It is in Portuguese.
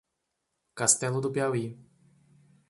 Castelo do Piauí